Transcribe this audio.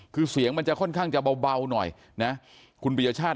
คือเสียงมันจะค่อนข้างจะเบาหน่อยนะคุณปียชาติ